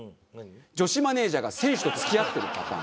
女子マネージャーが選手と付き合ってるパターン。